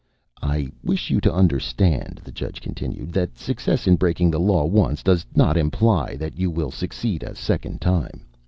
"I wish you to understand," the judge continued, "that success in breaking the law once does not imply that you will succeed a second time.